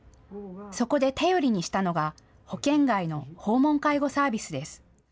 そこで頼りにしたのが保険外の訪問介護サービスです。